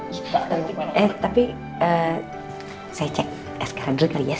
eh tapi saya cek askar dulu ya